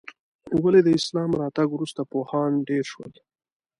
ولې د اسلام راتګ وروسته پوهان ډېر شول؟